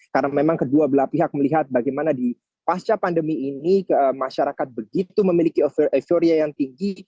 karena memang kedua belah pihak melihat bagaimana di pasca pandemi ini masyarakat begitu memiliki euforia yang tinggi